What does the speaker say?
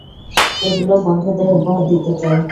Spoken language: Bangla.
এগুলি বন্ধুদের উপহার দিতে চাই।